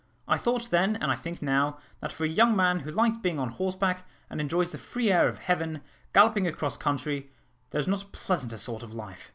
I thought then, and I think now, that for a young man who likes being on horseback, and enjoys the free air of heaven, galloping across country, there is not a pleasanter sort of life.